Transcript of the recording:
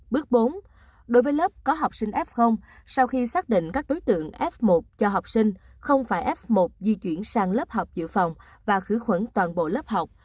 bước bốn đối với lớp có học sinh f sau khi xác định các đối tượng f một cho học sinh không phải f một di chuyển sang lớp học dự phòng và khử khuẩn toàn bộ lớp học